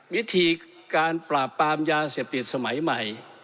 วิธีการปราบปรามยาเสพติดสมัยใหม่